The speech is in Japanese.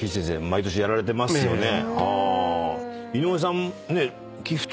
毎年やられてますよね。